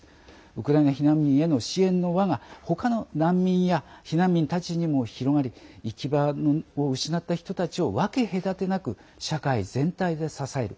ウクライナ避難民への支援の輪がほかの難民や避難民たちにも広がり行き場を失った人たちを分け隔てなく社会全体で支える。